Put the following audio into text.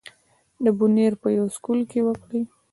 د بونېر پۀ يو سکول کښې وکړې